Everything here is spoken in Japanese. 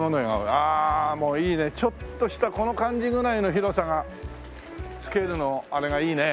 ああもういいねちょっとしたこの感じぐらいの広さがスケールのあれがいいね。